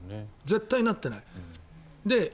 絶対になっていない。